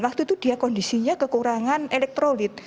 waktu itu dia kondisinya kekurangan elektrolit